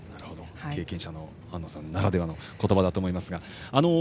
経験者の阿武さんならではの言葉だと思いますが。